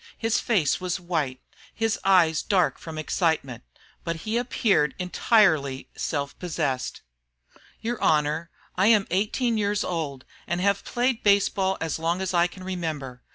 His face was white, his eyes dark from excitement, but he appeared entirely self possessed. "Your Honor, I am eighteen years old, and have played baseball as long as I can remember.